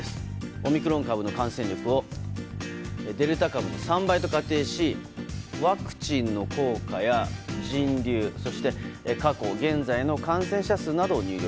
オミクロン株の感染力をデルタ株の３倍と仮定しワクチンの効果や人流、そして過去・現在の感染者数などを入力。